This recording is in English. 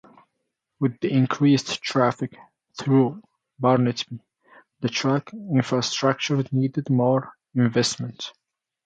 With the increased traffic through Barnetby, the track infrastructure needed more investment.